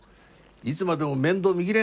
いつまでも面倒見きれん！